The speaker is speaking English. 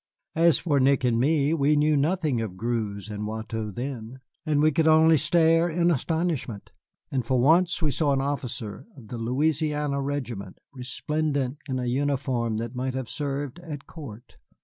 As for Nick and me, we knew nothing of Greuze and Watteau then, and we could only stare in astonishment. And for once we saw an officer of the Louisiana Regiment resplendent in a uniform that might have served at court.